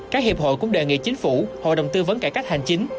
các hiệp hội cũng đề nghị chính phủ hội đồng tư vấn cải cách hành chính